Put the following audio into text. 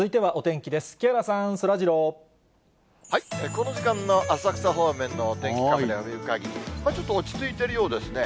この時間の浅草方面のお天気カメラを見るかぎり、ちょっと落ち着いているようですね。